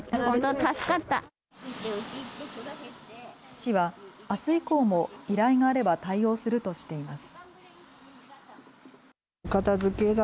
市は、あす以降も依頼があれば対応するとしています。